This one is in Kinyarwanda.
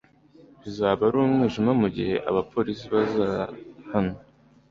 Bizaba ari umwijima mugihe abapolisi baza hano